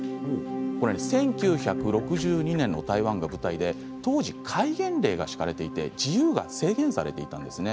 １９６２年の台湾が舞台で当時戒厳令が敷かれていて自由が制限されていたんですね